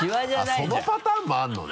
そのパターンもあるのね？